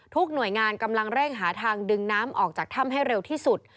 หน่วยงานกำลังเร่งหาทางดึงน้ำออกจากถ้ำให้เร็วที่สุด